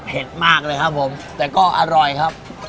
เผ็ดมากเลยครับครับผมแต่ก็อร่อยครับ